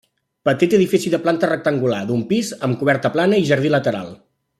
Petit edifici de planta rectangular, d'un pis, amb coberta plana i jardí lateral.